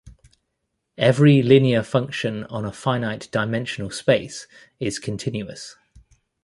Every linear function on a finite-dimensional space is continuous.